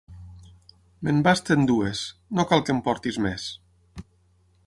Me'n basten dues, no cal que en portis més.